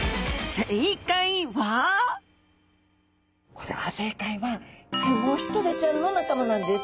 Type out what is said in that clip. これは正解はクモヒトデちゃんの仲間なんです。